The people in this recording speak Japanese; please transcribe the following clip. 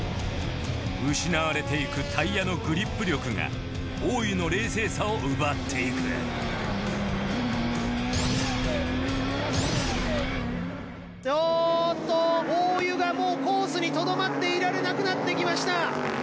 失われていくタイヤのグリップ力が大湯の冷静さを奪っていくおっと大湯がもうコースにとどまっていられなくなってきました！